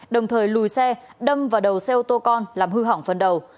đồng thời lùi xe đâm vào đầu xe ô tô con làm hư hỏng phần đầu